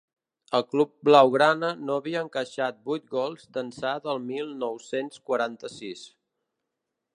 El club blau-grana no havia encaixat vuit gols d’ençà del mil nou-cents quaranta-sis.